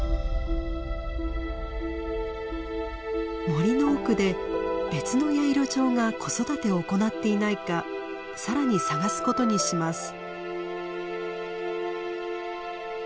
森の奥で別のヤイロチョウが子育てを行っていないかさらに探すことにします。